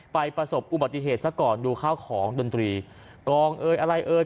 ไปประสบอุบัติเหตุเสียก่อนดูข้าวห้องดนตรีกองอะไรเอ๋ย